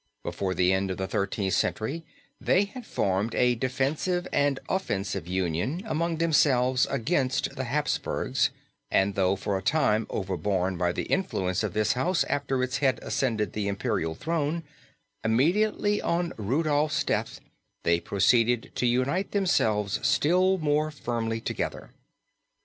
Before the end of the Thirteenth Century they had formed a defensive and offensive union among themselves against the Hapsburgs, and though for a time overborne by the influence of this house after its head ascended the Imperial throne, immediately on Rudolph's death they proceeded to unite themselves still more firmly together.